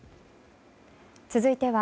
続いては